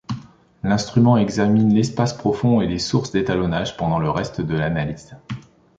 L'instrument examine l'espace profond et les sources d'étalonnage pendant le reste de l'analyse.